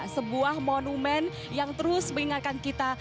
sebuah monumen yang terus mengingatkan kita